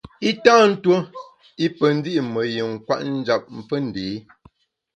I tâ tuo i pe ndi’ me yin kwet njap fe ndé.